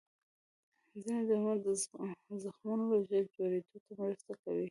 ځینې درمل د زخمونو ژر جوړېدو ته مرسته کوي.